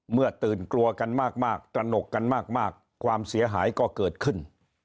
เมื่อตื่นกลัวกันมากตระหนกกันมากความเสียหายก็เกิดขึ้น